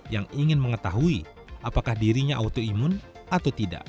yang ingin mengetahui apakah dirinya autoimun atau tidak